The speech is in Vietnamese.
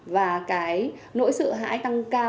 và cái nỗi sợ hãi tăng cao